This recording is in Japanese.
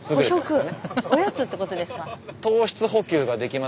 おやつってことですか？